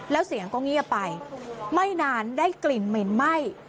แล้วเสียงก็เงียบไปไม่นานได้กลิ่นเหม็นไหม้